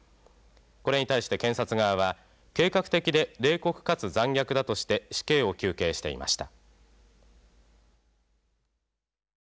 これに対して検察側は計画的で冷酷かつ残虐だとして死刑を求刑していました。